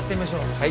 はい。